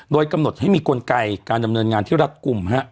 โดยกำหนดให้มีกลไกการดำเนินงานที่รัฐกลุ่ม